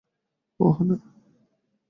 ওহ, না!